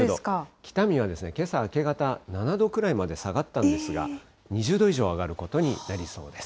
北見はけさ明け方、７度くらいまで下がったんですが、２０度以上上がることになりそうです。